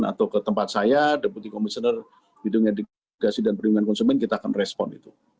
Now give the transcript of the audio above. atau ke tempat saya deputi komisioner bidang edukasi dan perlindungan konsumen kita akan respon itu